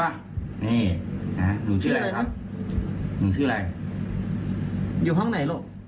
วันที่ยุคครั้งหนึ่งมันเป็นวันยูคลักพยาปุ่น